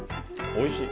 おいしい。